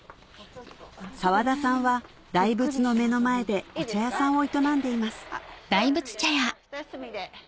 沢田さんは大仏の目の前でお茶屋さんを営んでいますひと休みで。